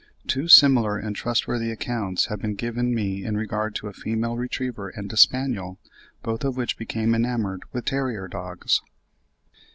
Two similar and trustworthy accounts have been given me in regard to a female retriever and a spaniel, both of which became enamoured with terrier dogs.